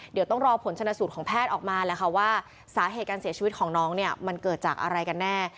เดี๋ยวต้องรอผลชนะสูตรของแพทย์ออกมาแล้วค่ะว่าสาเหตุการเสียชีวิตของน้องเนี่ยมันเกิดจากอะไรกันแน่